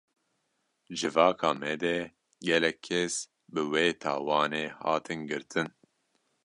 Civaka me de gelek kes, bi wê tawanê hatin girtin